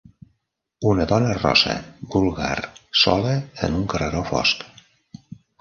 Una dona rossa vulgar sola en un carreró fosc.